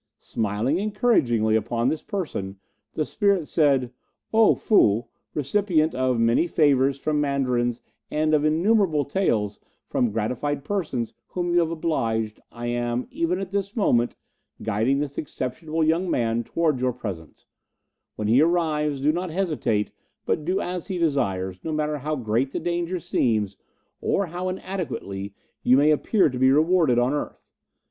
Smiling encouragingly upon this person, the spirit said, 'O Fou, recipient of many favours from Mandarins and of innumerable taels from gratified persons whom you have obliged, I am, even at this moment, guiding this exceptional young man towards your presence; when he arrives do not hesitate, but do as he desires, no matter how great the danger seems or how inadequately you may appear to be rewarded on earth.